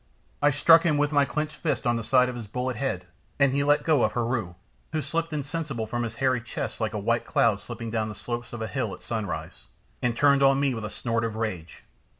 I struck him with my clenched fist on the side of his bullet head, and he let go of Heru, who slipped insensible from his hairy chest like a white cloud slipping down the slopes of a hill at sunrise, and turned on me with a snort of rage.